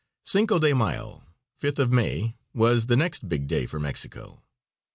Cinco de Mayo (5th of May) was the next big day for Mexico.